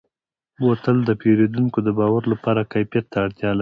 بوتل د پیرودونکو د باور لپاره کیفیت ته اړتیا لري.